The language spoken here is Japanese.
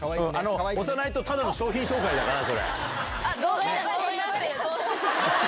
押さないとただの商品紹介だから。